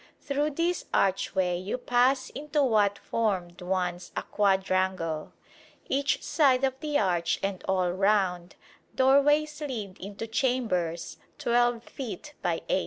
Through this archway you pass into what formed once a quadrangle. Each side of the arch and all round, doorways lead into chambers 12 feet by 8.